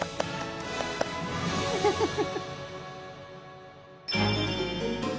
ウフフフ。